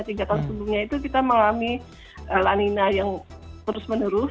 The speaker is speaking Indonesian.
tiga tahun sebelumnya itu kita mengalami lanina yang terus menerus